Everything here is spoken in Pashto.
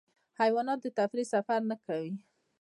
حیوانات د تفریح سفر نه کوي.